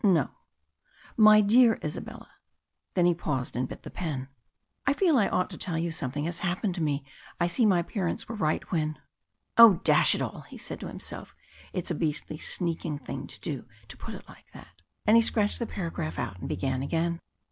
No "My dear Isabella," then he paused and bit the pen. "I feel I ought to tell you something has happened to me. I see my parents were right when " "Oh! dash it all," he said to himself, "it's a beastly sneaking thing to do to put it like that," and he scratched the paragraph out and began again.